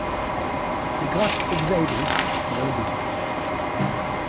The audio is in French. Le graphe hexaédrique est l'un d'eux.